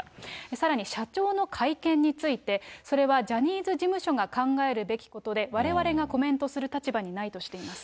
さらに社長の会見について、それはジャニーズ事務所が考えるべきことで、われわれがコメントする立場にないとしています。